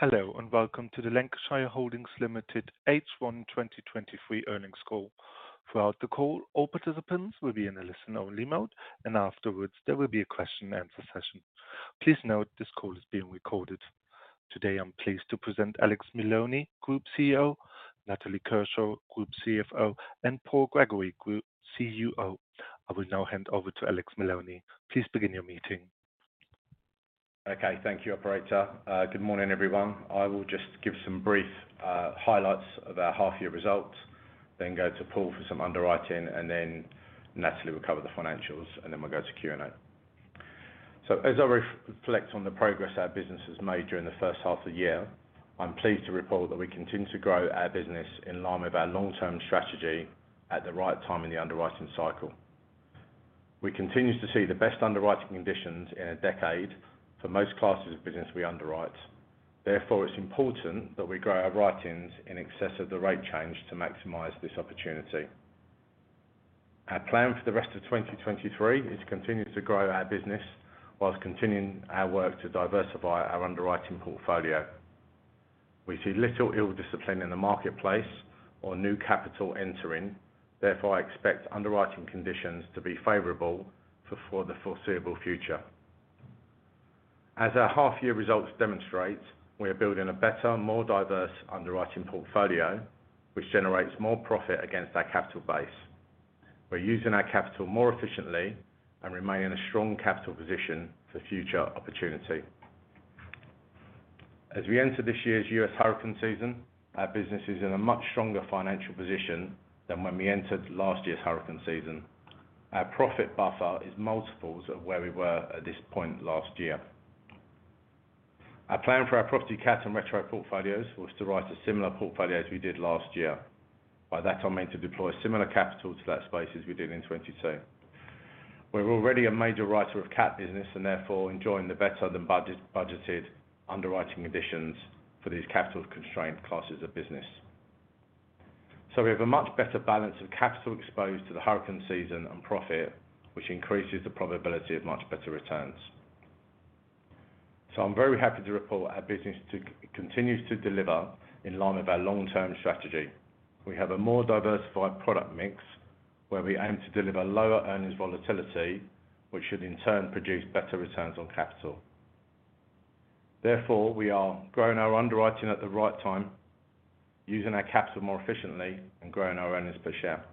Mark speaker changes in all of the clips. Speaker 1: Hello, welcome to the Lancashire Holdings Limited H1 2023 earnings call. Throughout the call, all participants will be in a listen-only mode, and afterwards, there will be a question and answer session. Please note this call is being recorded. Today, I'm pleased to present Alex Maloney, Group CEO, Natalie Kershaw, Group CFO, and Paul Gregory, Group CUO. I will now hand over to Alex Maloney. Please begin your meeting.
Speaker 2: Okay, thank you, operator. Good morning, everyone. I will just give some brief highlights of our half year results, then go to Paul for some underwriting, and then Natalie will cover the financials, and then we'll go to Q&A. As I reflect on the progress our business has made during the first half of the year, I'm pleased to report that we continue to grow our business in line with our long-term strategy at the right time in the underwriting cycle. We continue to see the best underwriting conditions in a decade for most classes of business we underwrite. Therefore, it's important that we grow our writings in excess of the rate change to maximize this opportunity. Our plan for the rest of 2023 is to continue to grow our business whilst continuing our work to diversify our underwriting portfolio. We see little ill discipline in the marketplace or new capital entering, therefore, I expect underwriting conditions to be favorable for the foreseeable future. As our half year results demonstrate, we are building a better, more diverse underwriting portfolio, which generates more profit against our capital base. We're using our capital more efficiently and remain in a strong capital position for future opportunity. As we enter this year's U.S. hurricane season, our business is in a much stronger financial position than when we entered last year's hurricane season. Our profit buffer is multiples of where we were at this point last year. Our plan for our Property Catastrophe and Retrocession portfolios was to write a similar portfolio as we did last year. By that, I mean to deploy similar capital to that space as we did in 2022. We're already a major writer of cat business and therefore enjoying the better than budget, budgeted underwriting additions for these capital-constrained classes of business. We have a much better balance of capital exposed to the hurricane season and profit, which increases the probability of much better returns. I'm very happy to report our business continues to deliver in line with our long-term strategy. We have a more diversified product mix, where we aim to deliver lower earnings volatility, which should in turn produce better returns on capital. We are growing our underwriting at the right time, using our capital more efficiently, and growing our earnings per share.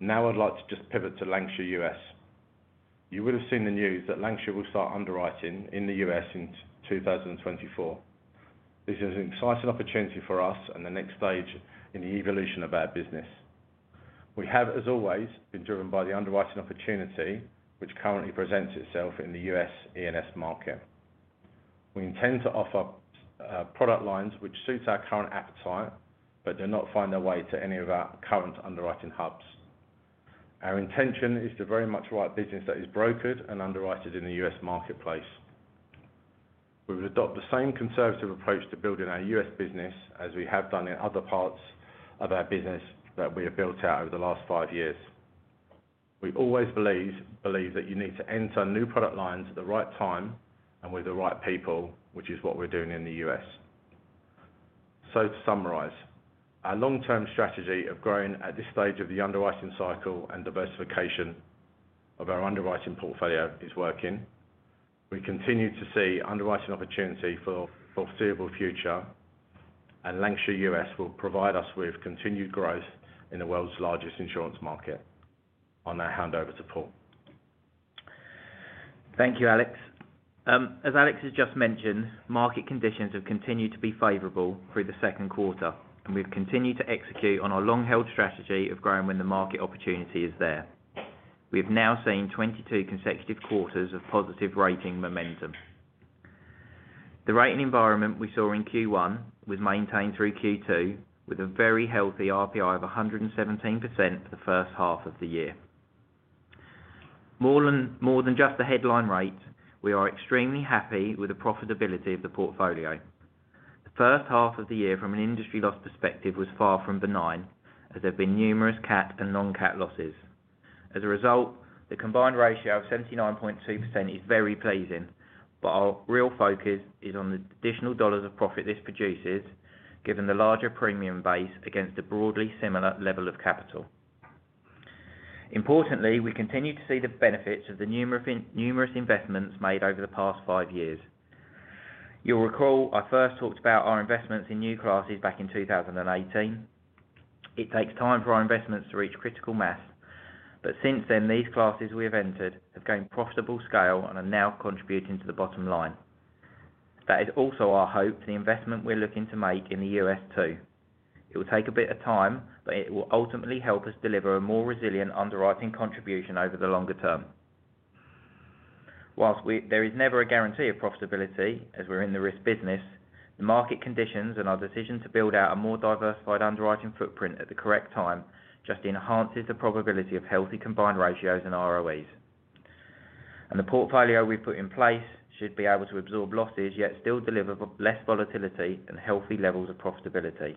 Speaker 2: I'd like to just pivot to Lancashire US. You will have seen the news that Lancashire will start underwriting in the US in 2024. This is an exciting opportunity for us and the next stage in the evolution of our business. We have, as always, been driven by the underwriting opportunity, which currently presents itself in the US E&S market. We intend to offer product lines which suit our current appetite, but do not find their way to any of our current underwriting hubs. Our intention is to very much write business that is brokered and underwritten in the US marketplace. We would adopt the same conservative approach to building our US business as we have done in other parts of our business that we have built out over the last 5 years. We've always believed, believe that you need to enter new product lines at the right time and with the right people, which is what we're doing in the US. To summarize, our long-term strategy of growing at this stage of the underwriting cycle and diversification of our underwriting portfolio is working. We continue to see underwriting opportunity for foreseeable future, and Lancashire US will provide us with continued growth in the world's largest insurance market. On that, I hand over to Paul.
Speaker 3: Thank you, Alex. As Alex has just mentioned, market conditions have continued to be favorable through the second quarter, and we've continued to execute on our long-held strategy of growing when the market opportunity is there. We have now seen 22 consecutive quarters of positive rating momentum. The rating environment we saw in Q1 was maintained through Q2, with a very healthy RPI of 117% for the first half of the year. More than, more than just the headline rate, we are extremely happy with the profitability of the portfolio. The first half of the year, from an industry loss perspective, was far from benign, as there have been numerous cat and non-cat losses. As a result, the combined ratio of 79.2% is very pleasing. Our real focus is on the additional dollars of profit this produces, given the larger premium base against a broadly similar level of capital. Importantly, we continue to see the benefits of the numerous investments made over the past five years. You'll recall, I first talked about our investments in new classes back in 2018. It takes time for our investments to reach critical mass, but since then, these classes we have entered have gained profitable scale and are now contributing to the bottom line. That is also our hope to the investment we're looking to make in the U.S., too. It will take a bit of time. It will ultimately help us deliver a more resilient underwriting contribution over the longer term. Whilst there is never a guarantee of profitability, as we're in the risk business, the market conditions and our decision to build out a more diversified underwriting footprint at the correct time just enhances the probability of healthy combined ratios and ROEs. The portfolio we've put in place should be able to absorb losses, yet still deliver less volatility and healthy levels of profitability.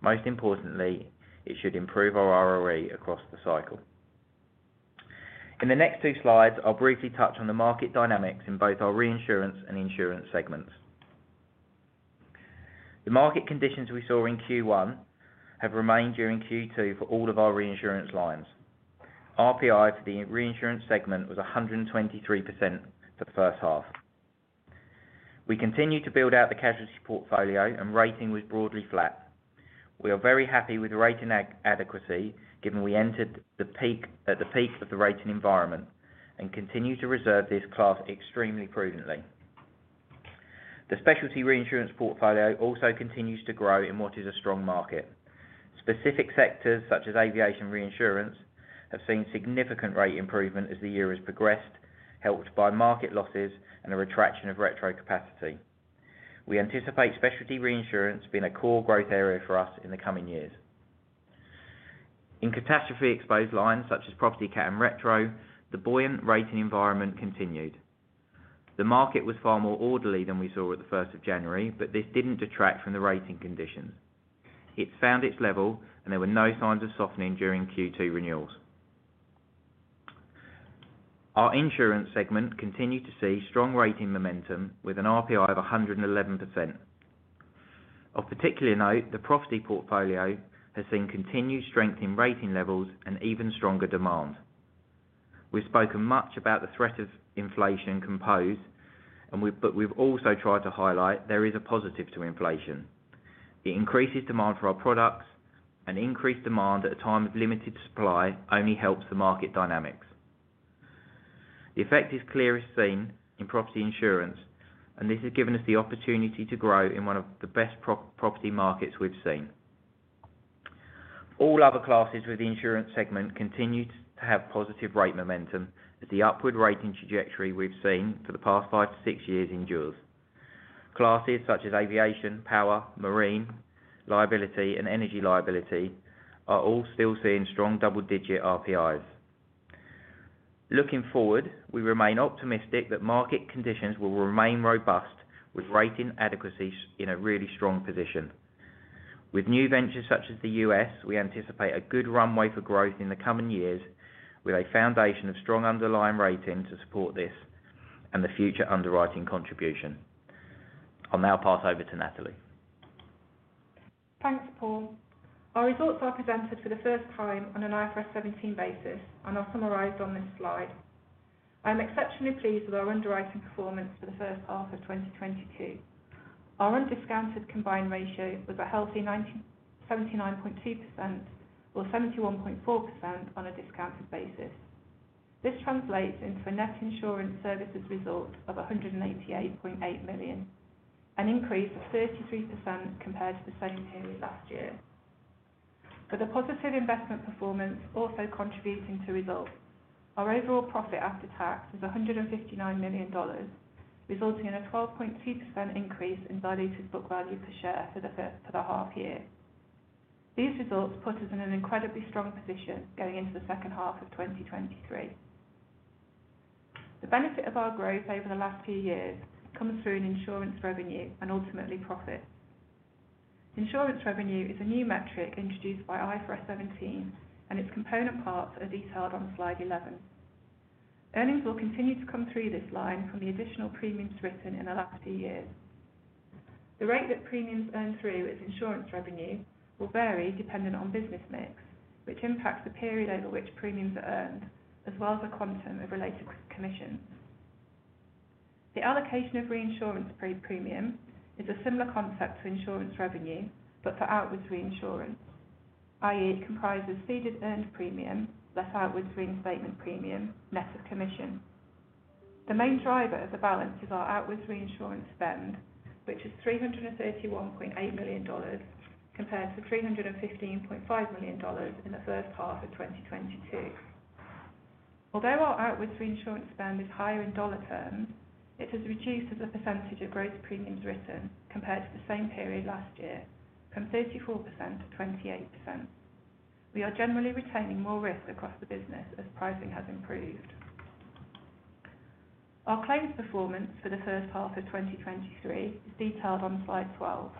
Speaker 3: Most importantly, it should improve our ROE across the cycle. In the next 2 slides, I'll briefly touch on the market dynamics in both our reinsurance and insurance segments. The market conditions we saw in Q1 have remained during Q2 for all of our reinsurance lines. RPI for the reinsurance segment was 123% for the first half. We continued to build out the casualty portfolio, and rating was broadly flat. We are very happy with the rating adequacy, given we entered the peak, at the peak of the rating environment, and continue to reserve this class extremely prudently. The specialty reinsurance portfolio also continues to grow in what is a strong market. Specific sectors, such as aviation reinsurance, have seen significant rate improvement as the year has progressed, helped by market losses and a retraction of Retrocession capacity. We anticipate specialty reinsurance being a core growth area for us in the coming years. In catastrophe exposed lines, such as Property Catastrophe and Retrocession, the buoyant rating environment continued. The market was far more orderly than we saw at the first of January. This didn't detract from the rating conditions. It found its level, and there were no signs of softening during Q2 renewals. Our insurance segment continued to see strong rating momentum with an RPI of 111%. Of particular note, the property portfolio has seen continued strength in rating levels and even stronger demand. We've spoken much about the threat of inflation can pose. We've also tried to highlight there is a positive to inflation. It increases demand for our products. Increased demand at a time of limited supply only helps the market dynamics. The effect is clearest seen in property insurance. This has given us the opportunity to grow in one of the best property markets we've seen. All other classes with the insurance segment continued to have positive rate momentum, as the upward rating trajectory we've seen for the past 5-6 years endures. Classes such as aviation, power, marine, liability, and energy liability are all still seeing strong double-digit RPIs. Looking forward, we remain optimistic that market conditions will remain robust, with rating adequacy in a really strong position. With new ventures such as the US, we anticipate a good runway for growth in the coming years, with a foundation of strong underlying rating to support this and the future underwriting contribution. I'll now pass over to Natalie.
Speaker 4: Thanks, Paul. Our results are presented for the first time on an IFRS 17 basis and are summarized on this slide. I am exceptionally pleased with our underwriting performance for H1 2022. Our undiscounted combined ratio was a healthy 79.2% or 71.4% on a discounted basis. This translates into a net Insurance Services Result of $188.8 million, an increase of 33% compared to the same period last year. For the positive investment performance also contributing to results, our overall profit after tax is $159 million, resulting in a 12.2% increase in diluted book value per share for the half year. These results put us in an incredibly strong position going into H2 2023. The benefit of our growth over the last few years comes through in Insurance revenue and ultimately profit. Insurance revenue is a new metric introduced by IFRS 17, and its component parts are detailed on slide 11. Earnings will continue to come through this line from the additional premiums written in the last few years. The rate that premiums earn through its Insurance revenue will vary depending on business mix, which impacts the period over which premiums are earned, as well as the quantum of related commissions. The allocation of reinsurance pre- premium is a similar concept to Insurance revenue, but for outward reinsurance, i.e., it comprises ceded earned premium, less outwards reinstatement premium, less of commission. The main driver of the balance is our outwards reinsurance spend, which is $331.8 million, compared to $315.5 million in the first half of 2022. Although our outwards reinsurance spend is higher in dollar terms, it has reduced as a percentage of gross premiums written compared to the same period last year, from 34%-28%. We are generally retaining more risk across the business as pricing has improved. Our claims performance for the first half of 2023 is detailed on slide 12.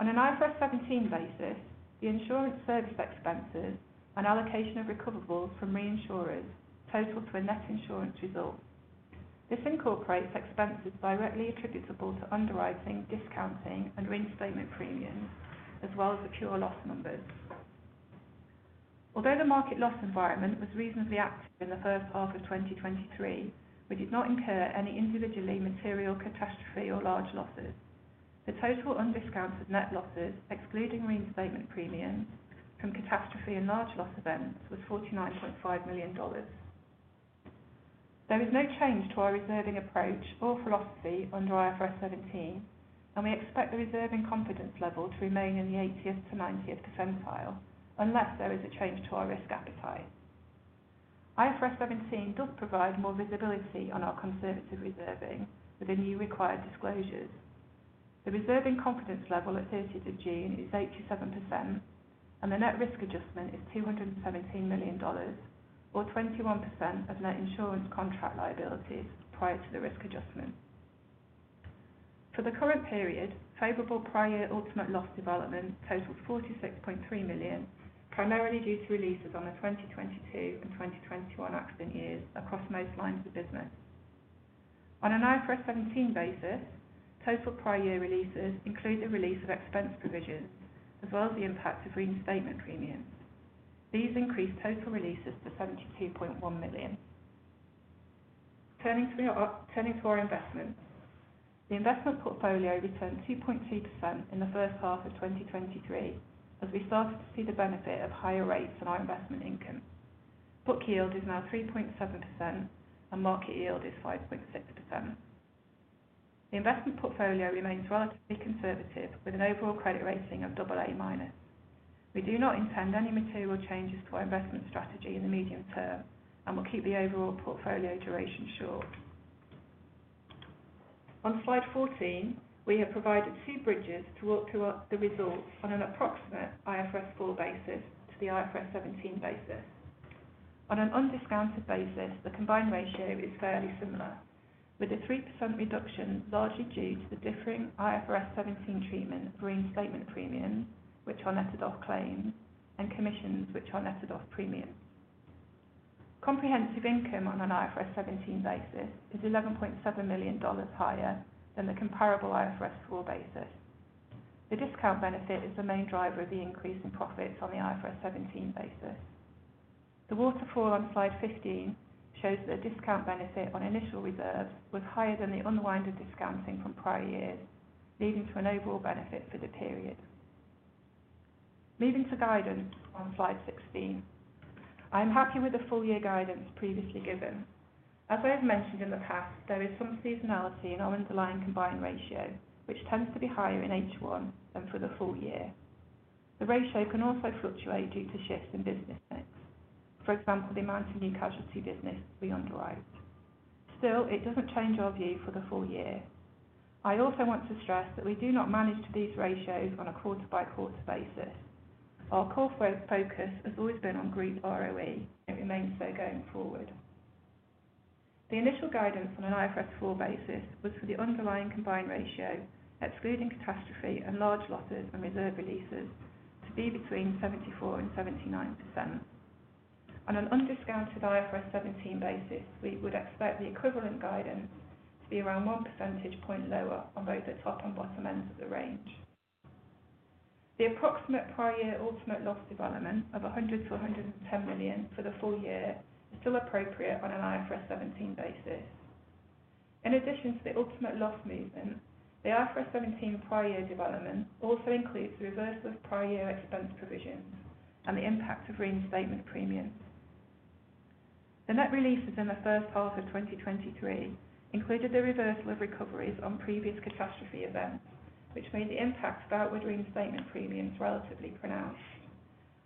Speaker 4: On an IFRS 17 basis, the insurance service expenses and allocation of recoverables from reinsurers total to a net insurance result. This incorporates expenses directly attributable to underwriting, discounting and reinstatement premiums, as well as the pure loss numbers. Although the market loss environment was reasonably active in the first half of 2023, we did not incur any individually material catastrophe or large losses. The total undiscounted net losses, excluding reinstatement premiums from catastrophe and large loss events, was $49.5 million. There is no change to our reserving approach or philosophy under IFRS 17. We expect the reserving confidence level to remain in the 80th-90th percentile, unless there is a change to our risk appetite. IFRS 17 does provide more visibility on our conservative reserving with the new required disclosures. The reserving confidence level at 30th of June is 87%. The net risk adjustment is $217 million, or 21% of net insurance contract liabilities prior to the risk adjustment. For the current period, favorable prior ultimate loss development totaled $46.3 million, primarily due to releases on the 2022 and 2021 accident years across most lines of the business. On an IFRS 17 basis, total prior year releases include the release of expense provisions, as well as the impact of reinstatement premiums. These increase total releases to $72.1 million. Turning to your, turning to our investments. The investment portfolio returned 2.2% in H1 2023, as we started to see the benefit of higher rates on our investment income. Book yield is now 3.7%, and market yield is 5.6%. The investment portfolio remains relatively conservative, with an overall credit rating of AA-. We do not intend any material changes to our investment strategy in the medium term, and we'll keep the overall portfolio duration short. On slide 14, we have provided 2 bridges to walk through our the results on an approximate IFRS 4 basis to the IFRS 17 basis. On an undiscounted basis, the combined ratio is fairly similar, with a 3% reduction largely due to the differing IFRS 17 treatment of reinstatement premiums, which are netted off claims, and commissions, which are netted off premiums. Comprehensive income on an IFRS 17 basis is $11.7 million higher than the comparable IFRS 4 basis. The discount benefit is the main driver of the increase in profits on the IFRS 17 basis. The waterfall on slide 15 shows that the discount benefit on initial reserves was higher than the unwind of discounting from prior years, leading to an overall benefit for the period. Moving to guidance on slide 16. I am happy with the full year guidance previously given. As I have mentioned in the past, there is some seasonality in our underlying combined ratio, which tends to be higher in H1 than for the full year. The ratio can also fluctuate due to shifts in business mix. For example, the amount of new casualty business we underwrite. Still, it doesn't change our view for the full year. I also want to stress that we do not manage these ratios on a quarter-by-quarter basis. Our core focus has always been on group ROE, and it remains so going forward. The initial guidance on an IFRS 4 basis was for the underlying combined ratio, excluding catastrophe and large losses and reserve releases, to be between 74% and 79%. On an undiscounted IFRS 17 basis, we would expect the equivalent guidance to be around 1 percentage point lower on both the top and bottom ends of the range. The approximate prior year ultimate loss development of $100 million-$110 million for the full year is still appropriate on an IFRS 17 basis. In addition to the ultimate loss movement, the IFRS 17 prior year development also includes the reversal of prior year expense provisions and the impact of reinstatement premiums. The net releases in the H1 2023 included the reversal of recoveries on previous catastrophe events, which made the impact of outward reinstatement premiums relatively pronounced.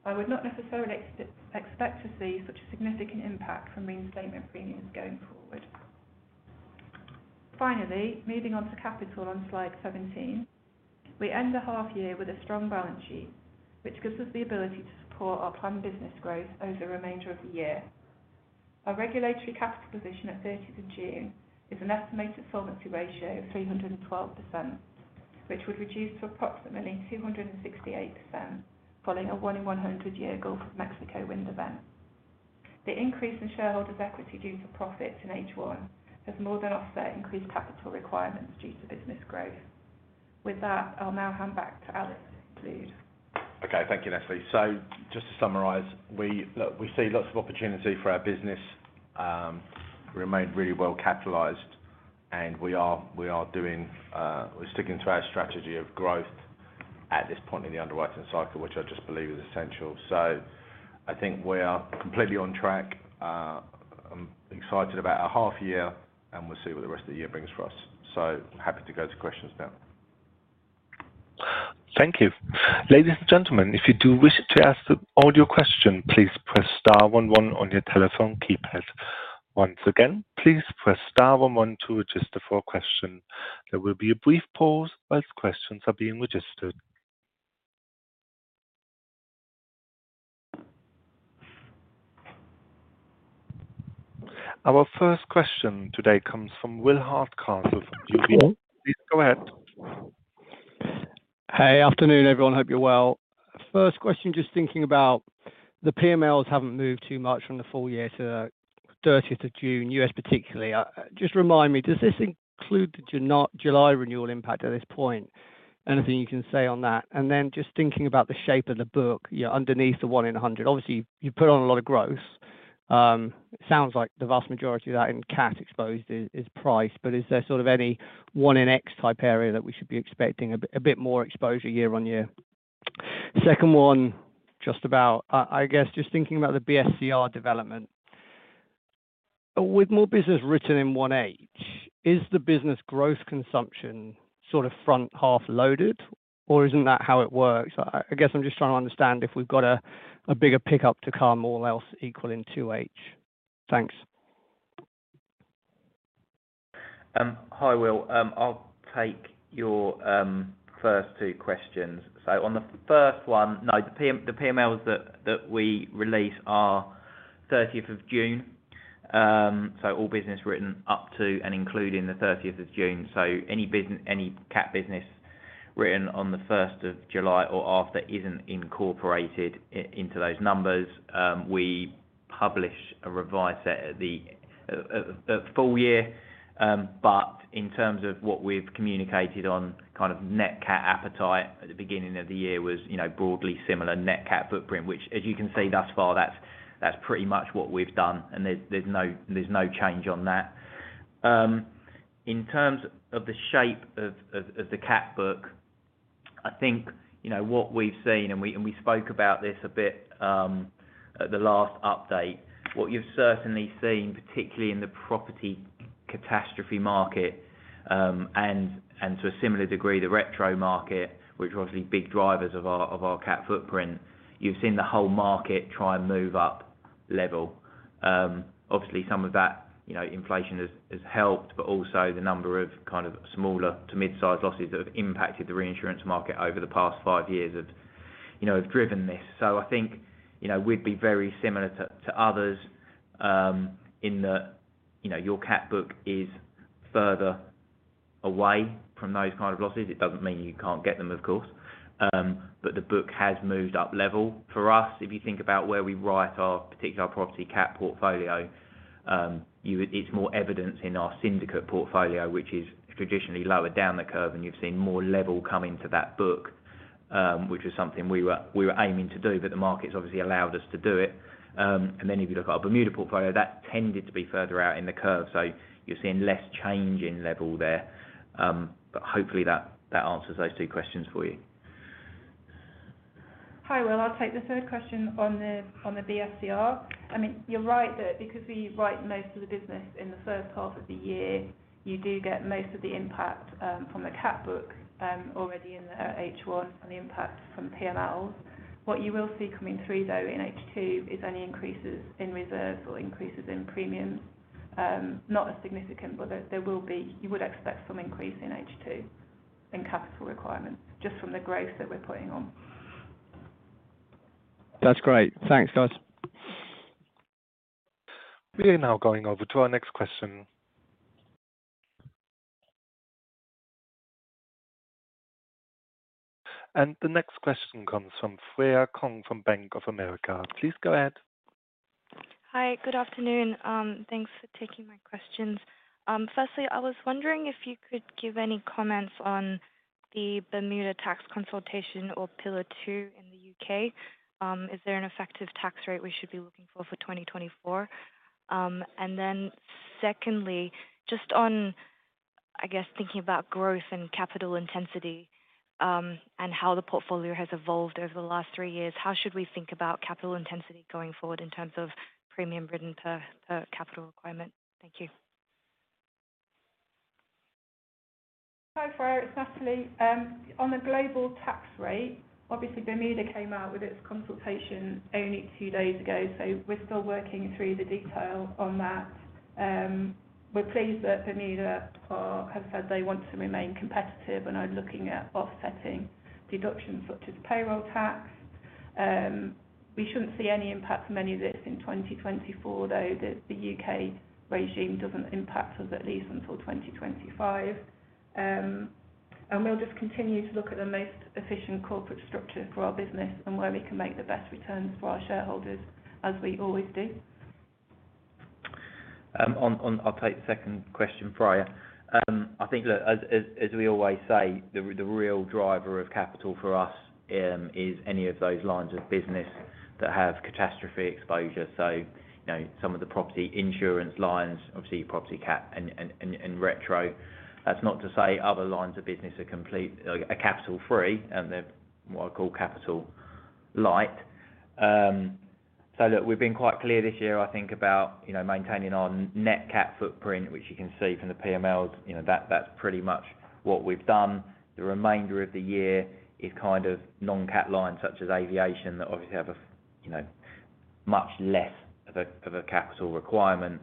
Speaker 4: I would not necessarily expect to see such a significant impact from reinstatement premiums going forward. Finally, moving on to capital on slide 17. We end the half year with a strong balance sheet, which gives us the ability to support our planned business growth over the remainder of the year. Our regulatory capital position at 30th of June is an estimated solvency ratio of 312%, which would reduce to approximately 268%, following a 1 in 100 year Gulf of Mexico wind event. The increase in shareholders equity due to profits in H1 has more than offset increased capital requirements due to business growth. With that, I'll now hand back to Alex, please.
Speaker 2: Okay. Thank you, Natalie. Just to summarize, we, look, we see lots of opportunity for our business. We remain really well capitalized, and we're sticking to our strategy of growth at this point in the underwriting cycle, which I just believe is essential. I think we are completely on track. I'm excited about our half year, and we'll see what the rest of the year brings for us. Happy to go to questions now.
Speaker 1: Thank you. Ladies and gentlemen, if you do wish to ask the audio question, please press star 11 on your telephone keypad. Once again, please press star 11 to register for a question. There will be a brief pause whilst questions are being registered. Our first question today comes from Will Hardcastle from UBS. Please, go ahead.
Speaker 5: Hey, afternoon, everyone. Hope you're well. First question, thinking about the PMLs haven't moved too much from the full year to 30th of June, US particularly. Remind me, does this include the June-July renewal impact at this point? Anything you can say on that? Thinking about the shape of the book, you're underneath the 1 in 100. Obviously, you put on a lot of growth. It sounds like the vast majority of that in cat-exposed is price, but is there any 1 in X type area that we should be expecting a bit more exposure year-on-year? Second one, about, I guess, thinking about the BSCR development. With more business written in H1, is the business growth consumption front half loaded, or isn't that how it works? I, I guess I'm just trying to understand if we've got a, a bigger pickup to come, all else equal in 2 H. Thanks.
Speaker 3: Hi, Will. I'll take your first 2 questions. On the first one, no, the PMLs that, that we release are 30th of June.... so all business written up to and including the 30th of June. Any cat business written on the first of July or after isn't incorporated into those numbers. We publish a revised set at the full year. In terms of what we've communicated on kind of net cat appetite at the beginning of the year was, you know, broadly similar net cat footprint, which as you can see, thus far, that's, that's pretty much what we've done, and there's, there's no, there's no change on that. In terms of the shape of the cat book, I think, you know, what we've seen, and we, and we spoke about this a bit at the last update. What you've certainly seen, particularly in the Property Catastrophe market, and, and to a similar degree, the Retrocession market, which are obviously big drivers of our, of our cat footprint. You've seen the whole market try and move up level. Obviously some of that, you know, inflation has, has helped, but also the number of kind of smaller to mid-size losses that have impacted the reinsurance market over the past five years have, you know, have driven this. I think, you know, we'd be very similar to, to others, in that, you know, your cat book is further away from those kind of losses. It doesn't mean you can't get them, of course. The book has moved up level. For us, if you think about where we write our, particularly our Property Catastrophe portfolio, you would... It's more evident in our syndicate portfolio, which is traditionally lower down the curve. You've seen more level come into that book, which is something we were, we were aiming to do. The market's obviously allowed us to do it. If you look at our Bermuda portfolio, that tended to be further out in the curve. You're seeing less change in level there. Hopefully that, that answers those two questions for you.
Speaker 4: Hi, Will. I'll take the third question on the BSCR. I mean, you're right that because we write most of the business in the first half of the year, you do get most of the impact from the cat book already in the H1 and the impact from PML. What you will see coming through, though, in H2 is any increases in reserves or increases in premiums. Not as significant, but there will be you would expect some increase in H2 in capital requirements, just from the growth that we're putting on.
Speaker 5: That's great. Thanks, guys. We are now going over to our next question. The next question comes from Freya Kong from Bank of America. Please go ahead.
Speaker 6: Hi, good afternoon. Thanks for taking my questions. Firstly, I was wondering if you could give any comments on the Bermuda tax consultation or Pillar Two in the UK. Is there an effective tax rate we should be looking for, for 2024? Secondly, just on, I guess, thinking about growth and capital intensity, and how the portfolio has evolved over the last 3 years, how should we think about capital intensity going forward in terms of premium written per, per capital requirement? Thank you.
Speaker 4: Hi, Freya, it's Natalie. On the global tax rate, obviously, Bermuda came out with its consultation only 2 days ago, so we're still working through the detail on that. We're pleased that Bermuda have said they want to remain competitive and are looking at offsetting deductions such as payroll tax. We shouldn't see any impact from any of this in 2024, though, the UK regime doesn't impact us at least until 2025. We'll just continue to look at the most efficient corporate structure for our business and where we can make the best returns for our shareholders, as we always do.
Speaker 3: I'll take the second question, Freya. I think that as we always say, the real driver of capital for us, is any of those lines of business that have catastrophe exposure. You know, some of the property insurance lines, obviously, Property Catastrophe and Retrocession. That's not to say other lines of business are complete, are capital free, they're what I call capital light. Look, we've been quite clear this year, I think about, you know, maintaining our net cat footprint, which you can see from the PML. You know, that's pretty much what we've done. The remainder of the year is kind of non-cat lines, such as aviation, that obviously have a, you know, much less of a capital requirement.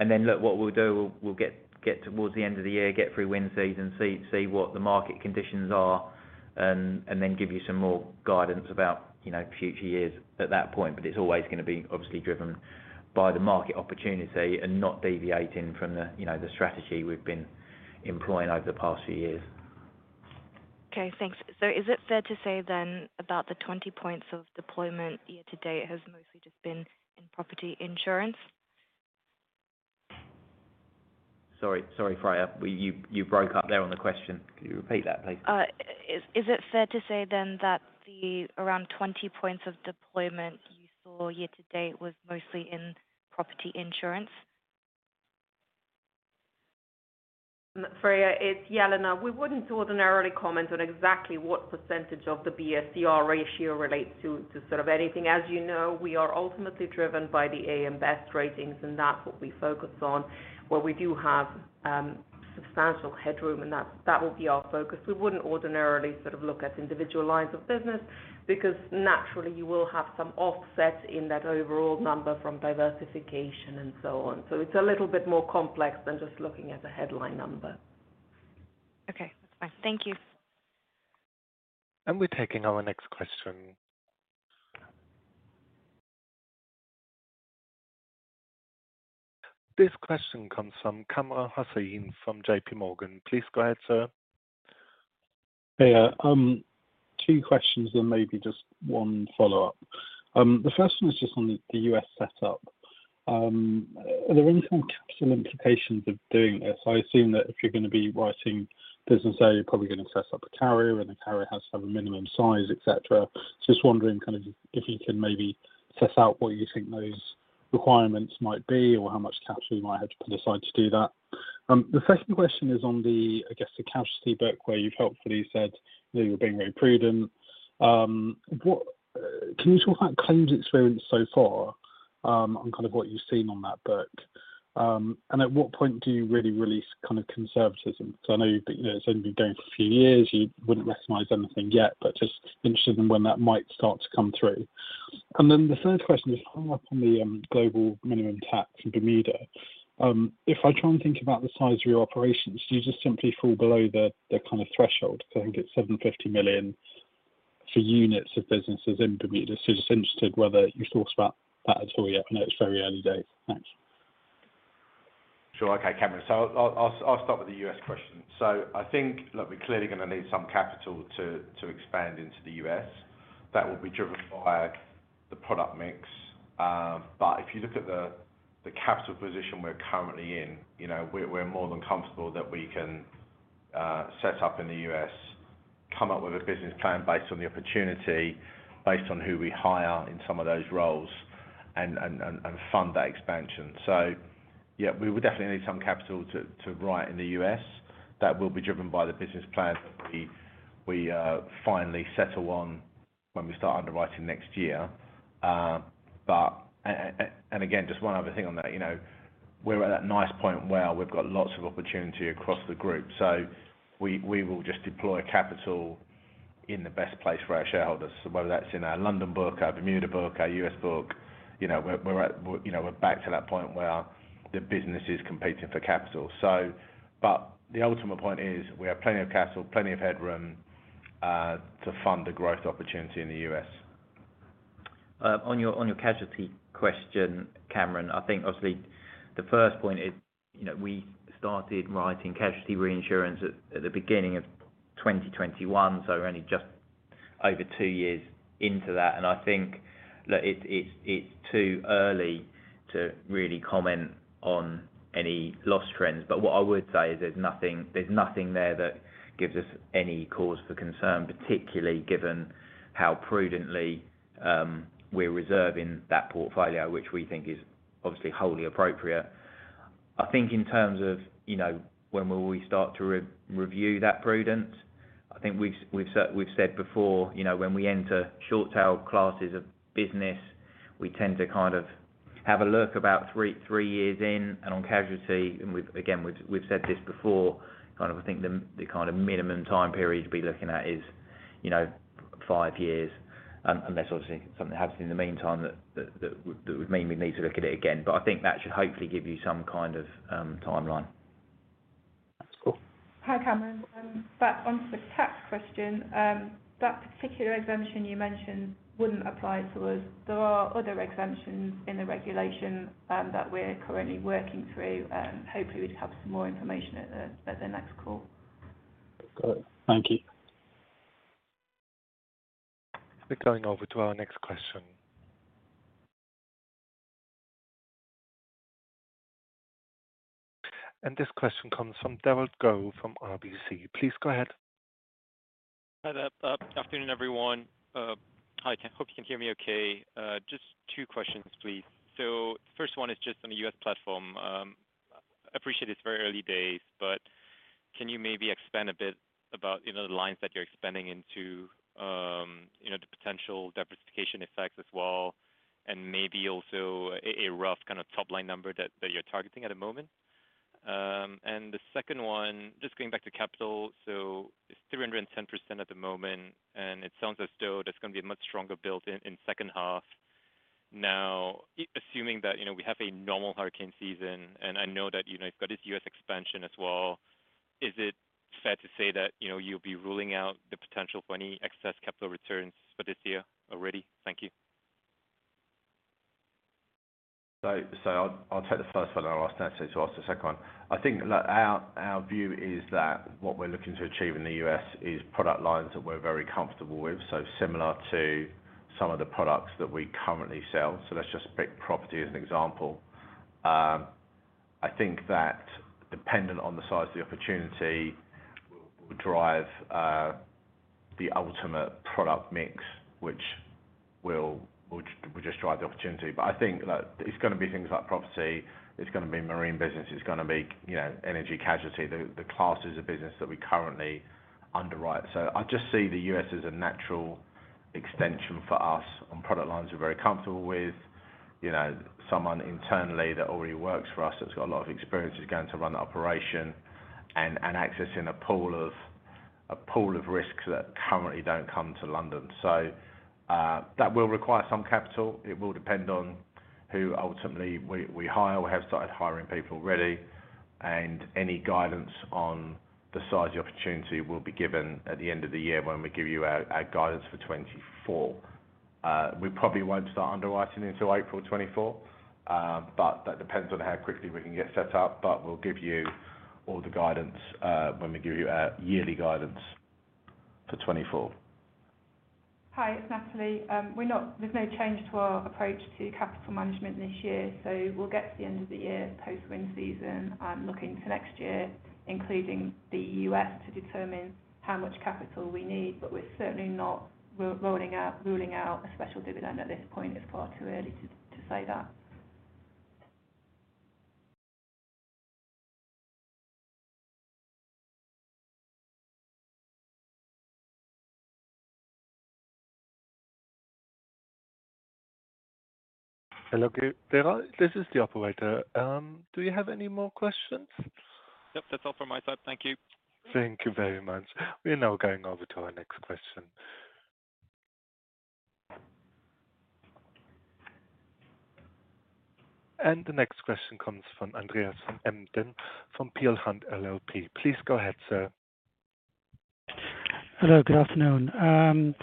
Speaker 3: Look, what we'll do, we'll get, get towards the end of the year, get through wind season, see, see what the market conditions are, and then give you some more guidance about, you know, future years at that point. It's always going to be obviously driven by the market opportunity and not deviating from the, you know, the strategy we've been employing over the past few years.
Speaker 6: Okay, thanks. Is it fair to say then, about the 20 points of deployment year to date has mostly just been in property insurance?
Speaker 3: Sorry, sorry, Freya, we... You, you broke up there on the question. Can you repeat that, please?
Speaker 6: Is, is it fair to say then that the around 20 points of deployment you saw year to date was mostly in property insurance?
Speaker 7: Freya, it's Jelena. We wouldn't ordinarily comment on exactly what % of the BSCR ratio relates to, sort of anything. As you know, we are ultimately driven by the AM Best ratings, and that's what we focus on, where we do have substantial headroom, that will be our focus. We wouldn't ordinarily sort of look at individual lines of business, because naturally you will have some offset in that overall number from diversification and so on. It's a little bit more complex than just looking at the headline number.
Speaker 6: Okay. Thanks. Thank you....
Speaker 1: We're taking our next question. This question comes from Cameron Hassan from JP Morgan. Please go ahead, sir.
Speaker 8: Hey, 2 questions and maybe just 1 follow-up. The 1st one is just on the US setup. Are there any kind of capital implications of doing this? I assume that if you're gonna be writing business there, you're probably gonna set up a carrier, and the carrier has to have a minimum size, et cetera. Just wondering, kind of, if you can maybe suss out what you think those requirements might be or how much capital you might have to put aside to do that. The 2nd question is on the, I guess, the casualty book, where you've helpfully said that you're being very prudent. Can you talk about claims experience so far on kind of what you've seen on that book? At what point do you really release kind of conservatism? I know, you know, it's only been going for a few years, you wouldn't recognize anything yet, but just interested in when that might start to come through. The third question is how up on the global minimum tax in Bermuda, if I try and think about the size of your operations, do you just simply fall below the kind of threshold? I think it's $750 million for units of businesses in Bermuda. Just interested whether you thought about that at all yet. I know it's very early days. Thanks.
Speaker 2: Sure. Okay, Cameron. I'll, I'll, I'll start with the US question. I think, look, we're clearly gonna need some capital to, to expand into the US. That will be driven by the product mix. If you look at the, the capital position we're currently in, you know, we're, we're more than comfortable that we can set up in the US, come up with a business plan based on the opportunity, based on who we hire in some of those roles, and, and, and, and fund that expansion. Yeah, we would definitely need some capital to, to write in the US. That will be driven by the business plan that we, we finally settle on when we start underwriting next year. And again, just one other thing on that. You know, we're at that nice point where we've got lots of opportunity across the group. We, we will just deploy capital in the best place for our shareholders, whether that's in our London book, our Bermuda book, our US book. You know, we're, you know, we're back to that point where the business is competing for capital. The ultimate point is we have plenty of capital, plenty of headroom to fund the growth opportunity in the US.
Speaker 3: On your, on your casualty question, Cameron, I think obviously the first point is, you know, we started writing casualty reinsurance at, at the beginning of 2021, so only just over two years into that. I think that it's, it's, it's too early to really comment on any loss trends. What I would say is there's nothing, there's nothing there that gives us any cause for concern, particularly given how prudently we're reserving that portfolio, which we think is obviously wholly appropriate. I think in terms of, you know, when will we start to re-review that prudence, I think we've, we've said, we've said before, you know, when we enter short tail classes of business, we tend to kind of have a look about three, three years in. On casualty, again, we've said this before, kind of, I think the kind of minimum time period to be looking at is, you know, five years. Unless obviously, something happens in the meantime that would mean we need to look at it again. I think that should hopefully give you some kind of timeline.
Speaker 8: Cool.
Speaker 4: Hi, Cameron. Back onto the tax question. That particular exemption you mentioned wouldn't apply to us. There are other exemptions in the regulation, that we're currently working through, and hopefully we'd have some more information at the, at the next call.
Speaker 8: Got it. Thank you.
Speaker 1: We're going over to our next question. This question comes from Darragh Gorran from RBC. Please go ahead.
Speaker 9: Hi there. Afternoon, everyone. Hi, I hope you can hear me okay. Just 2 questions, please. First one is just on the US platform. I appreciate it's very early days, but can you maybe expand a bit about, you know, the lines that you're expanding into, you know, the potential diversification effects as well, and maybe also a, a rough kind of top-line number that, that you're targeting at the moment? The second one, just going back to capital. It's 310% at the moment, and it sounds as though there's gonna be a much stronger build-in in second half. Assuming that, you know, we have a normal hurricane season, and I know that, you know, you've got this US expansion as well, is it fair to say that, you know, you'll be ruling out the potential for any excess capital returns for this year already? Thank you.
Speaker 2: I'll, I'll take the first one, and I'll ask Natalie to ask the second one. I think that our, our view is that what we're looking to achieve in the US is product lines that we're very comfortable with, so similar to some of the products that we currently sell. Let's just pick property as an example. I think that dependent on the size of the opportunity, will, will drive the ultimate product mix, which will, which will just drive the opportunity. I think that it's gonna be things like property, it's gonna be marine business, it's gonna be, you know, energy casualty, the, the classes of business that we currently underwrite. I just see the US as a natural extension for us on product lines we're very comfortable with. You know, someone internally that already works for us, that's got a lot of experience, is going to run the operation and accessing a pool of risks that currently don't come to London. That will require some capital. It will depend on who ultimately we hire. We have started hiring people already. Any guidance on the size of the opportunity will be given at the end of the year when we give you our guidance for 2024. We probably won't start underwriting until April 2024, but that depends on how quickly we can get set up. We'll give you all the guidance when we give you our yearly guidance for 2024.
Speaker 4: Hi, it's Natalie. There's no change to our approach to capital management this year. We'll get to the end of the year, post-wind season, looking to next year, including the US, to determine how much capital we need. We're certainly not rolling out, ruling out a special dividend at this point. It's far too early to, to say that.
Speaker 1: Hello, Gerald, this is the operator. Do you have any more questions?
Speaker 9: Yep, that's all from my side. Thank you.
Speaker 1: Thank you very much. We're now going over to our next question. The next question comes from Andreas van Embden, from Peel Hunt LLP. Please go ahead, sir.
Speaker 10: Hello, good afternoon.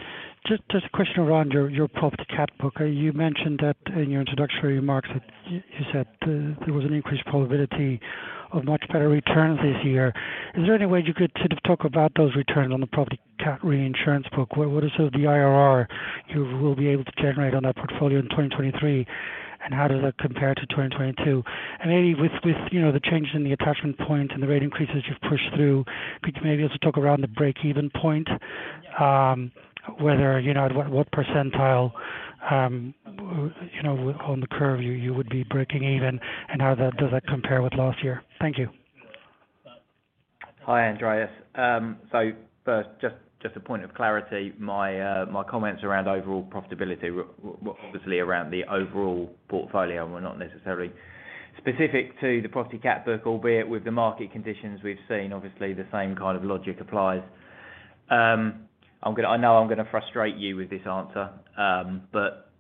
Speaker 10: Just a question around your Property Catastrophe book. You mentioned that in your introductory remarks, that there was an increased probability of much better returns this year. Is there any way you could sort of talk about those returns on the Property Catastrophe reinsurance book? What, what is the IRR you will be able to generate on that portfolio in 2023, and how does that compare to 2022? Maybe with, with, you know, the changes in the attachment point and the rate increases you've pushed through, perhaps maybe also talk around the break-even point, whether, you know, at what, what percentile, you know, on the curve you, you would be breaking even, and how does that compare with last year? Thank you.
Speaker 3: Hi, Andreas. First, just, just a point of clarity. My comments around overall profitability were, were obviously around the overall portfolio, were not necessarily specific to the Property Catastrophe book. Albeit with the market conditions we've seen, obviously, the same kind of logic applies. I'm gonna... I know I'm gonna frustrate you with this answer,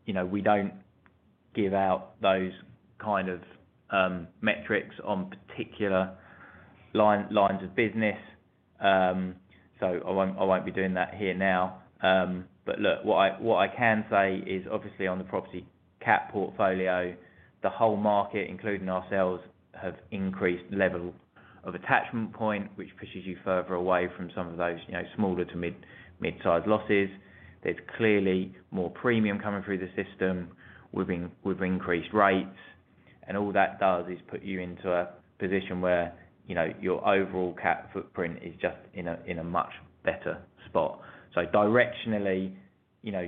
Speaker 3: you know, we don't give out those kind of metrics on particular line, lines of business. I won't, I won't be doing that here now. Look, what I, what I can say is, obviously on the Property Catastrophe portfolio, the whole market, including ourselves, have increased level of attachment point, which pushes you further away from some of those, you know, smaller to mid, mid-sized losses. There's clearly more premium coming through the system with being, with increased rates. All that does is put you into a position where, you know, your overall cat footprint is just in a, in a much better spot. Directionally, you know,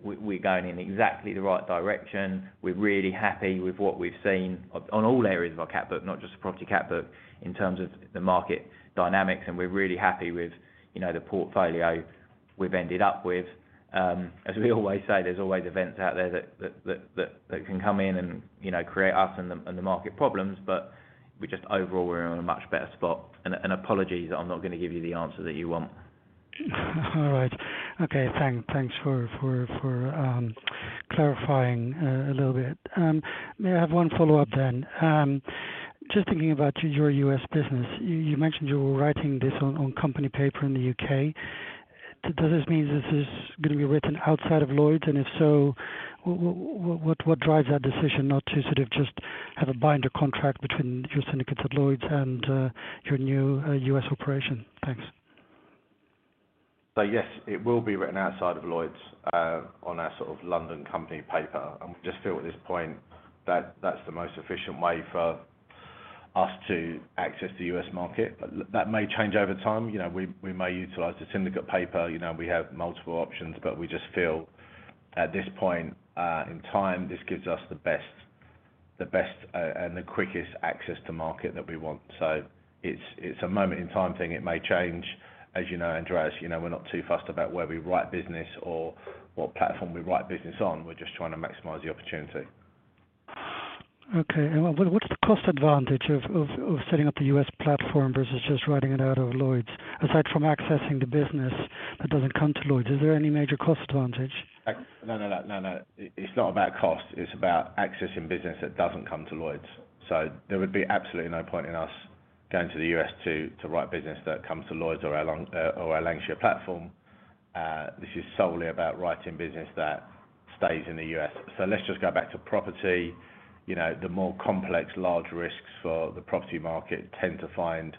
Speaker 3: we're going in exactly the right direction. We're really happy with what we've seen on, on all areas of our cat book, not just the Property Catastrophe book, in terms of the market dynamics. We're really happy with, you know, the portfolio we've ended up with. As we always say, there's always events out there that can come in and, you know, create us and the, and the market problems, but we're just overall, we're in a much better spot. Apologies, I'm not gonna give you the answer that you want.
Speaker 10: All right. Okay, thank, thanks for, for, for clarifying a little bit. May I have one follow-up then? Just thinking about your, your US business. You, you mentioned you were writing this on, on company paper in the UK. Do, does this mean this is gonna be written outside of Lloyd's? If so, what, what drives that decision not to sort of just have a binder contract between your syndicates at Lloyd's and your new US operation? Thanks.
Speaker 2: Yes, it will be written outside of Lloyd's, on our sort of London company paper. We just feel at this point that that's the most efficient way for us to access the US market. That may change over time. You know, we, we may utilize the syndicate paper. You know, we have multiple options, but we just feel at this point in time, this gives us the best, the best, and the quickest access to market that we want. It's, it's a moment in time thing. It may change. As you know, Andreas, you know, we're not too fussed about where we write business or what platform we write business on. We're just trying to maximize the opportunity.
Speaker 10: Okay. What is the cost advantage of setting up the US platform versus just writing it out of Lloyd's? Aside from accessing the business that doesn't come to Lloyd's, is there any major cost advantage?
Speaker 2: No, no, no, no, no. It's not about cost; it's about accessing business that doesn't come to Lloyd's. There would be absolutely no point in us going to the US to, to write business that comes to Lloyd's or our Long, or our Lancashire platform. This is solely about writing business that stays in the US. let's just go back to property. You know, the more complex, large risks for the property market tend to find,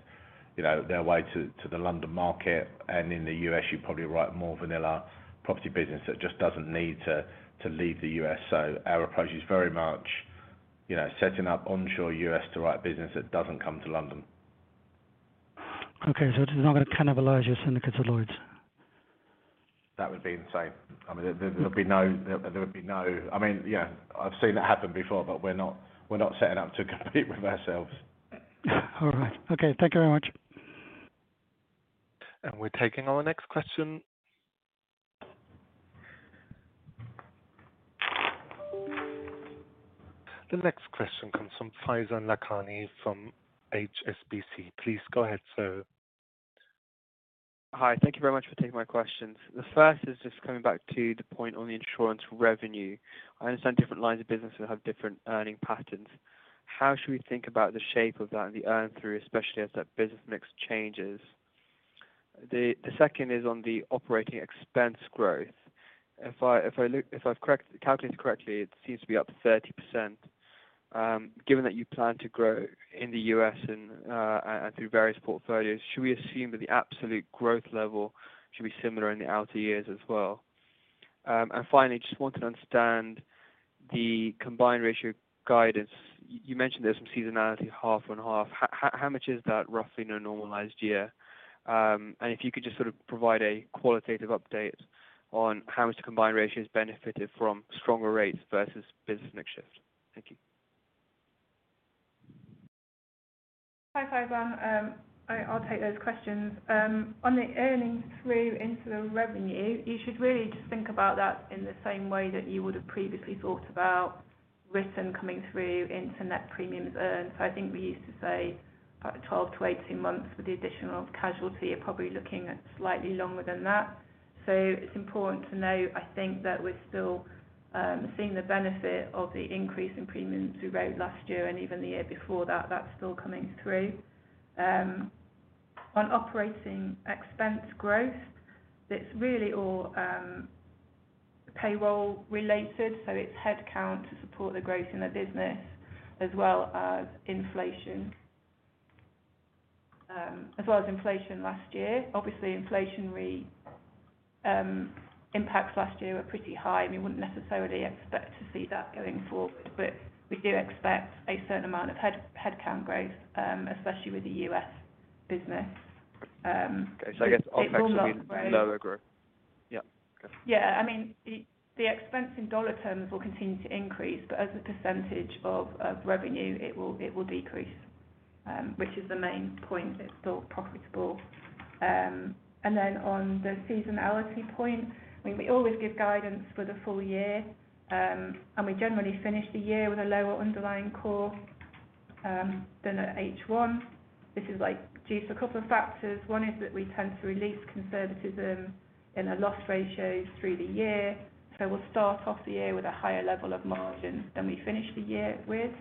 Speaker 2: you know, their way to, to the London market. And in the US, you probably write more vanilla property business that just doesn't need to, to leave the US. Our approach is very much, you know, setting up onshore US to write business that doesn't come to London.
Speaker 10: Okay, this is not gonna cannibalize your syndicates at Lloyd's?
Speaker 2: That would be insane. I mean, there would be no. I mean, yeah, I've seen that happen before. We're not, we're not setting up to compete with ourselves.
Speaker 10: All right. Okay, thank you very much.
Speaker 1: We're taking our next question. The next question comes from Faizan Lakhani, from HSBC. Please go ahead, sir.
Speaker 11: Hi, thank you very much for taking my questions. The first is just coming back to the point on the insurance revenue. I understand different lines of business will have different earning patterns. How should we think about the shape of that and the earn through, especially as that business mix changes? The second is on the operating expense growth. If I've correct, calculated correctly, it seems to be up 30%. Given that you plan to grow in the US and through various portfolios, should we assume that the absolute growth level should be similar in the outer years as well? And finally, just want to understand the combined ratio guidance. You mentioned there's some seasonality, half and half. How much is that roughly in a normalized year? If you could just sort of provide a qualitative update on how much the combined ratio has benefited from stronger rates versus business mix shift. Thank you.
Speaker 4: Hi, Faizan. I, I'll take those questions. On the earnings through into the revenue, you should really just think about that in the same way that you would have previously thought about written coming through into net premiums earned. I think we used to say about 12 to 18 months, with the additional casualty, you're probably looking at slightly longer than that. It's important to note, I think, that we're still seeing the benefit of the increase in premiums we wrote last year and even the year before that. That's still coming through. On operating expense growth, it's really all payroll related, it's headcount to support the growth in the business, as well as inflation. As well as inflation last year. Obviously, inflationary impacts last year were pretty high, and we wouldn't necessarily expect to see that going forward, but we do expect a certain amount of headcount growth, especially with the US business. It's all about growth...
Speaker 11: I guess, lower growth. Yeah. Okay.
Speaker 4: Yeah. I mean, the, the expense in dollar terms will continue to increase, but as a percentage of, of revenue, it will, it will decrease, which is the main point. It's still profitable. Then on the seasonality point, I mean, we always give guidance for the full year, we generally finish the year with a lower underlying core than at H1. This is, like, due to a couple of factors. One is that we tend to release conservatism in our loss ratios through the year. We'll start off the year with a higher level of margin than we finish the year with.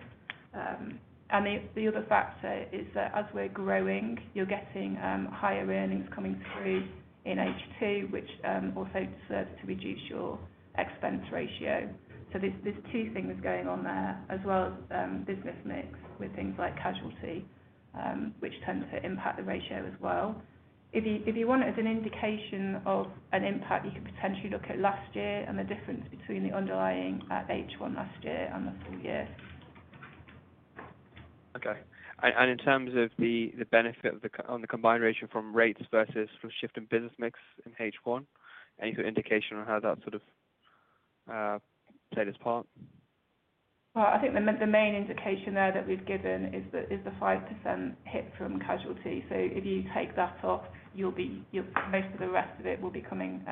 Speaker 4: The, the other factor is that as we're growing, you're getting, higher earnings coming through in H2, which also serves to reduce your expense ratio. There's, there's 2 things going on there, as well as, business mix with things like casualty, which tends to impact the ratio as well. If you, if you want it as an indication of an impact, you could potentially look at last year and the difference between the underlying at H1 last year and the full year.
Speaker 11: Okay. In terms of the benefit of the on the combined ratio from rates versus from shift in business mix in H1, any indication on how that sort of played its part?
Speaker 4: I think the, the main indication there that we've given is the, is the 5% hit from casualty. If you take that off, most of the rest of it will be coming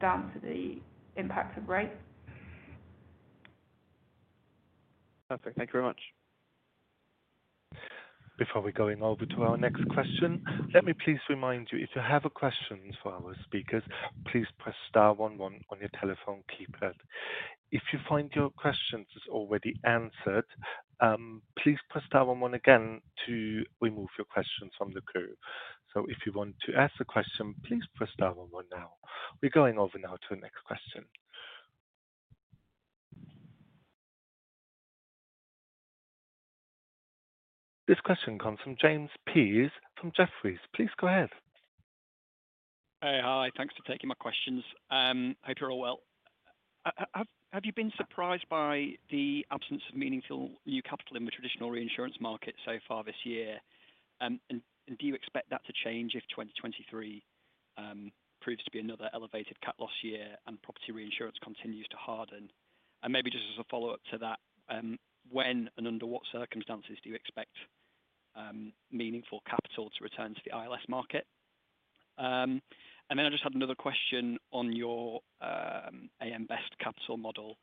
Speaker 4: down to the impact of rates.
Speaker 11: Perfect. Thank you very much.
Speaker 1: Before we going over to our next question, let me please remind you, if you have a question for our speakers, please press star one one on your telephone keypad. If you find your question is already answered, please press star one one again to remove your question from the queue. If you want to ask a question, please press star one one now. We're going over now to the next question. This question comes from James Pease from Jefferies. Please go ahead.
Speaker 12: Hey, hi, thanks for taking my questions. Hope you're all well. Have you been surprised by the absence of meaningful new capital in the traditional reinsurance market so far this year? Do you expect that to change if 2023 proves to be another elevated cat loss year and property reinsurance continues to harden? Maybe just as a follow-up to that, when and under what circumstances do you expect meaningful capital to return to the ILS market? Then I just had another question on your AM Best capital model.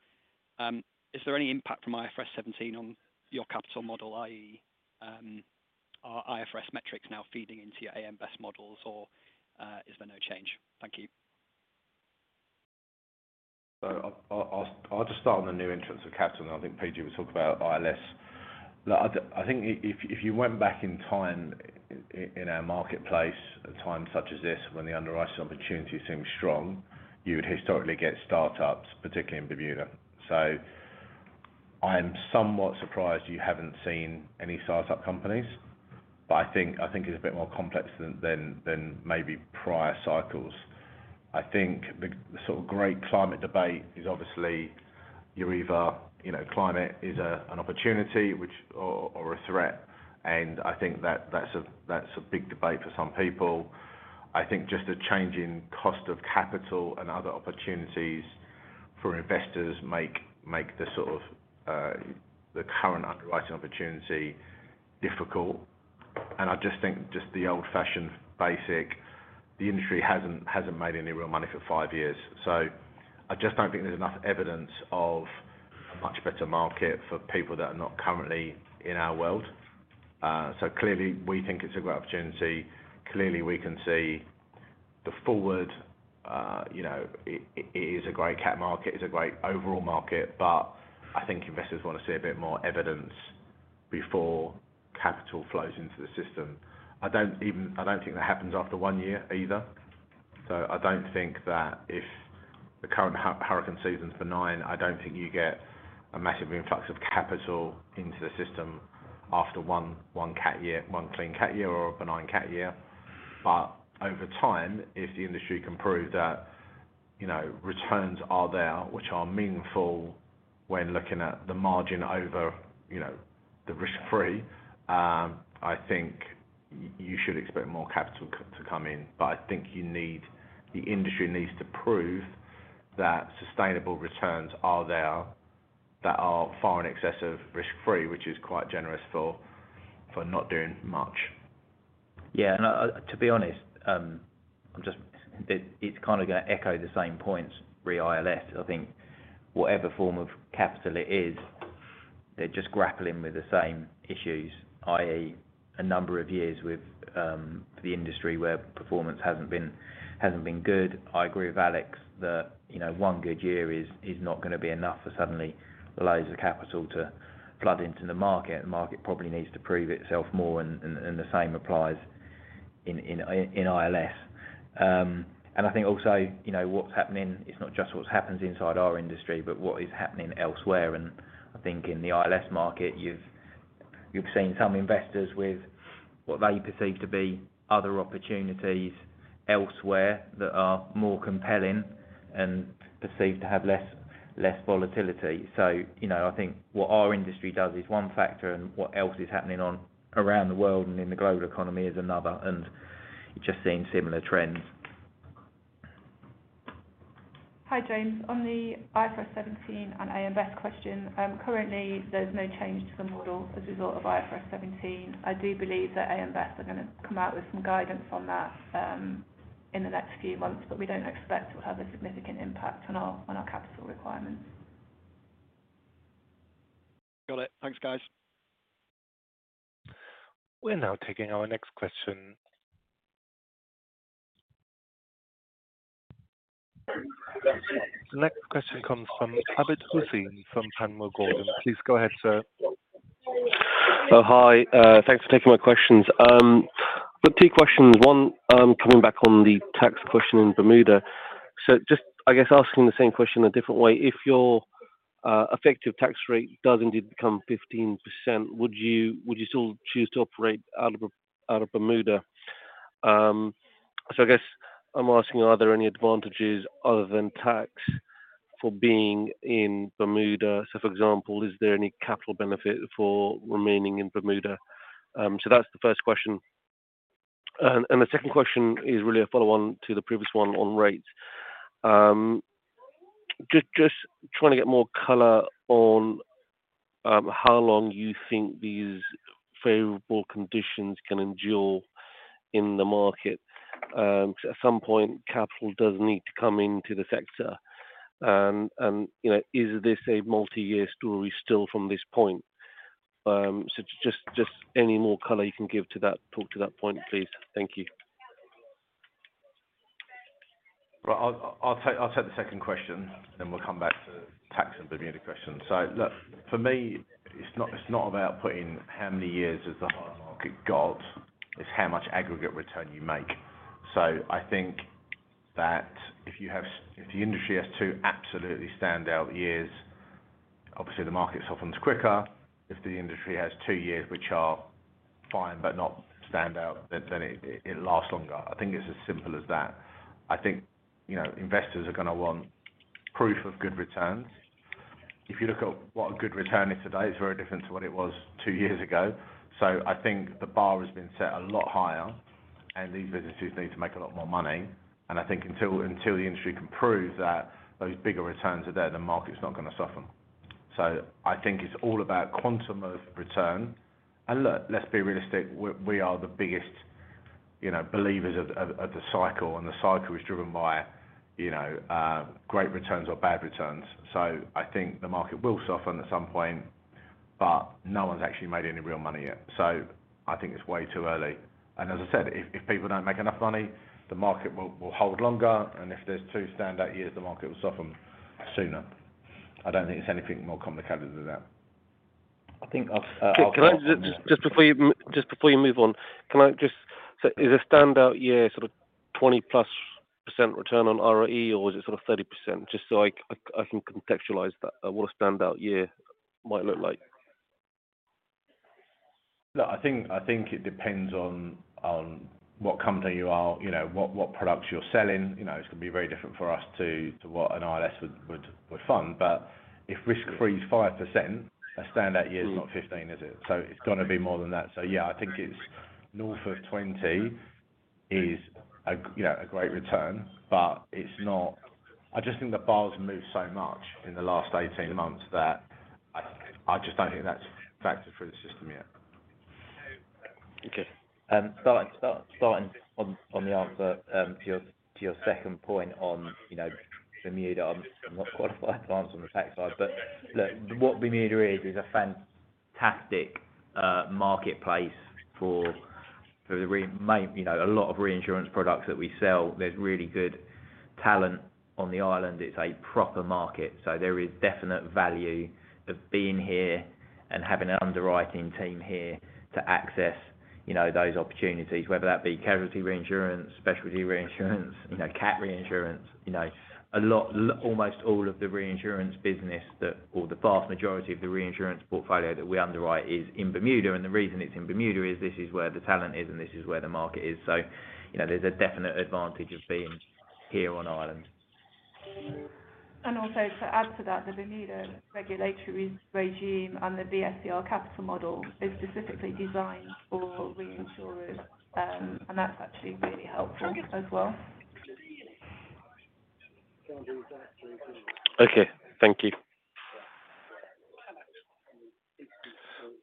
Speaker 12: Is there any impact from IFRS 17 on your capital model, i.e., are IFRS metrics now feeding into your AM Best models, or, is there no change? Thank you.
Speaker 2: I'll just start on the new entrance of capital, and I think PJ will talk about ILS. Look, I, I think if, if you went back in time in our marketplace, at times such as this, when the underwriting opportunities seem strong, you would historically get startups, particularly in Bermuda. I'm somewhat surprised you haven't seen any startup companies, but I think, I think it's a bit more complex than, than, than maybe prior cycles. I think the sort of great climate debate is obviously, you're either, you know, climate is a, an opportunity which, or a threat, and I think that, that's a, that's a big debate for some people. I think just a change in cost of capital and other opportunities for investors make, make the sort of the current underwriting opportunity difficult. I just think just the old-fashioned basic, the industry hasn't, hasn't made any real money for 5 years. I just don't think there's enough evidence a much better market for people that are not currently in our world. Clearly, we think it's a great opportunity. Clearly, we can see the forward, you know, it, it is a great cat market, is a great overall market, but I think investors want to see a bit more evidence before capital flows into the system. I don't think that happens after 1 year either. I don't think that if the current hurricane season is benign, I don't think you get a massive influx of capital into the system after 1, 1 cat year, 1 clean cat year or a benign cat year. Over time, if the industry can prove that, you know, returns are there, which are meaningful when looking at the margin over, you know, the risk-free, I think you should expect more capital to, to come in. I think the industry needs to prove that sustainable returns are there, that are far in excess of risk-free, which is quite generous for, for not doing much.
Speaker 3: Yeah. To be honest, it's kinda gonna echo the same points re ILS. I think whatever form of capital it is, they're just grappling with the same issues, i.e., a number of years with the industry where performance hasn't been, hasn't been good. I agree with Alex that, you know, one good year is, is not gonna be enough for suddenly loads of capital to flood into the market. The market probably needs to prove itself more, and, and, and the same applies in, in, in, in ILS. I think also, you know, what's happening, it's not just what happens inside our industry, but what is happening elsewhere. I think in the ILS market, you've, you've seen some investors with what they perceive to be other opportunities elsewhere that are more compelling and perceived to have less, less volatility. You know, I think what our industry does is one factor, and what else is happening on around the world and in the global economy is another, and you're just seeing similar trends.
Speaker 4: Hi, James. On the IFRS 17 and AM Best question, currently, there's no change to the model as a result of IFRS 17. I do believe that AM Best are gonna come out with some guidance on that in the next few months, but we don't expect it will have a significant impact on our, on our capital requirements.
Speaker 1: Got it. Thanks, guys. We're now taking our next question. The next question comes from Abid Hussain from Panmure Gordon. Please go ahead, sir.
Speaker 13: Oh, hi. Thanks for taking my questions. Got 2 questions. One, coming back on the tax question in Bermuda. Just, I guess, asking the same question a different way. If your effective tax rate does indeed become 15%, would you, would you still choose to operate out of, out of Bermuda? I guess I'm asking, are there any advantages other than tax for being in Bermuda? For example, is there any capital benefit for remaining in Bermuda? That's the first question. The second question is really a follow-on to the previous one on rates. Just trying to get more color on how long you think these favorable conditions can endure in the market. Because at some point, capital does need to come into the sector. You know, is this a multi-year story still from this point? Just, just any more color you can give to that, talk to that point, please. Thank you.
Speaker 2: Right. I'll take the second question, we'll come back to tax and Bermuda question. Look, for me, it's not, it's not about putting how many years has the hard market got, it's how much aggregate return you make. I think that if the industry has two absolutely standout years, obviously the market softens quicker. If the industry has two years, which are fine but not standout, then it lasts longer. I think it's as simple as that. I think, you know, investors are gonna want proof of good returns. If you look at what a good return is today, it's very different to what it was two years ago. I think the bar has been set a lot higher, and these businesses need to make a lot more money. I think until, until the industry can prove that those bigger returns are there, the market is not gonna soften. I think it's all about quantum of return. Look, let's be realistic, we, we are the biggest, you know, believers of, of, of the cycle, and the cycle is driven by, you know, great returns or bad returns. I think the market will soften at some point, but no one's actually made any real money yet. I think it's way too early. As I said, if, if people don't make enough money, the market will, will hold longer, and if there's two standout years, the market will soften sooner. I don't think it's anything more complicated than that.
Speaker 3: I think I've...
Speaker 13: Just, just before you, just before you move on, is a standout year sort of 20+% return on ROE or is it sort of 30%? Just so I, I, I can contextualize that, what a standout year might look like.
Speaker 2: Look, I think, I think it depends on, on what company you are, you know, what, what products you're selling. You know, it's gonna be very different for us to, to what an ILS would, would, would fund. If risk-free is 5%, a standout year is not 15, is it? It's gonna be more than that. Yeah, I think it's north of 20 is a, you know, a great return, but it's not... I just think the bar has moved so much in the last 18 months that I, I just don't think that's factored through the system yet.
Speaker 3: Okay. Starting, starting on, on the answer, to your, to your second point on, you know, Bermuda, I'm not qualified to answer on the tax side. Look, what Bermuda is, is a fantastic marketplace for, for the, you know, a lot of reinsurance products that we sell. There's really good talent on the island. It's a proper market, there is definite value of being here and having an underwriting team here to access, you know, those opportunities, whether that be casualty reinsurance, specialty reinsurance, you know, cat reinsurance. You know, almost all of the reinsurance business or the vast majority of the reinsurance portfolio that we underwrite is in Bermuda. The reason it's in Bermuda is this is where the talent is, and this is where the market is. you know, there's a definite advantage of being here on island.
Speaker 4: Also, to add to that, the Bermuda regulatory regime and the BSCR capital model is specifically designed for reinsurers. That's actually really helpful as well.
Speaker 13: Okay, thank you.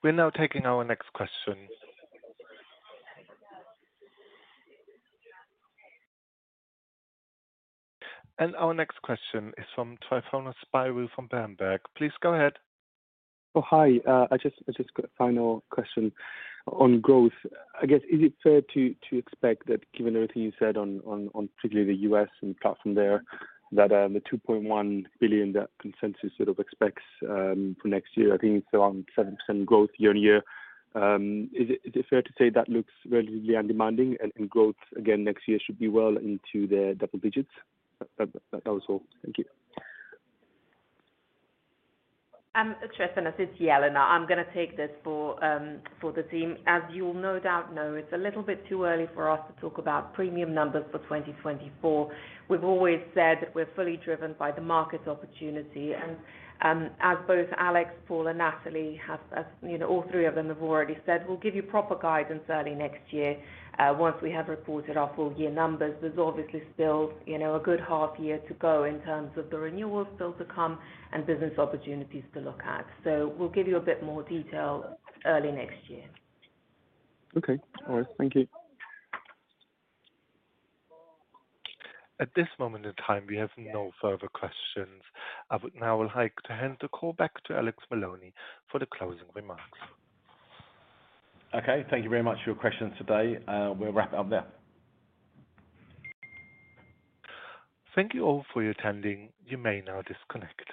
Speaker 1: We're now taking our next question. Our next question is from Tryfonas Spyrou from Berenberg. Please go ahead.
Speaker 14: Oh, hi. I just, I just got a final question on growth. I guess, is it fair to, to expect that given everything you said on, on, on particularly the US and platform there, that, the $2.1 billion that consensus sort of expects, for next year, I think it's around 7% growth year-on-year? Is it, is it fair to say that looks relatively undemanding and, and growth again, next year should be well into the double digits? That, that, that was all. Thank you.
Speaker 7: Tristan, this is Elena. I'm gonna take this for the team. As you'll no doubt know, it's a little bit too early for us to talk about premium numbers for 2024. We've always said we're fully driven by the market opportunity and as both Alex, Paul, and Natalie have. You know, all three of them have already said, we'll give you proper guidance early next year, once we have reported our full year numbers. There's obviously still, you know, a good half year to go in terms of the renewals still to come and business opportunities to look at. We'll give you a bit more detail early next year.
Speaker 14: Okay. All right. Thank you.
Speaker 1: At this moment in time, we have no further questions. I would now like to hand the call back to Alex Maloney for the closing remarks.
Speaker 2: Okay. Thank you very much for your questions today, we'll wrap it up there.
Speaker 1: Thank you all for your attending. You may now disconnect.